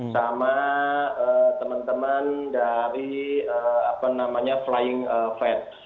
sama teman teman dari apa namanya flying fat